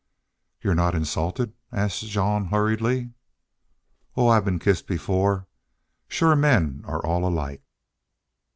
"You're not insulted?" asked Jean, hurriedly. "Oh, I've been kissed before. Shore men are all alike."